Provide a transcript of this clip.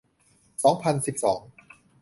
สองพันสิบสอง